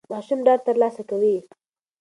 ماشوم ډاډ ترلاسه کوي.